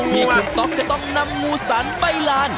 ที่คุณต๊อกจะต้องนำงูสันไปลาน